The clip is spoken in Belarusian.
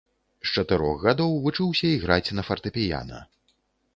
З чатырох гадоў вучыўся іграць на фартэпіяна.